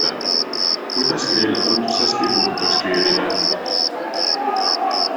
Kuidas grill hõlpsasti puhtaks küürida?